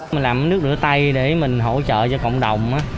mình làm nước rửa tay để mình hỗ trợ cho cộng đồng